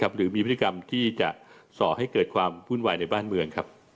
หรือมีพฤติกรรมที่จะส่อให้เกิดความวุ่นวายในบ้านเมือง